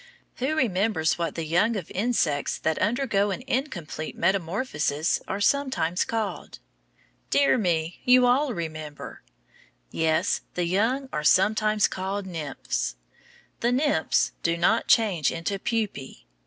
Who remembers what the young of insects that undergo an incomplete metamorphosis are sometimes called? Dear me, you all remember! Yes, the young are sometimes called nymphs. The nymphs do not change into pupæ.